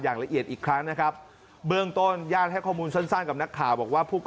อย่างละเอียดอีกครั้งนะครับ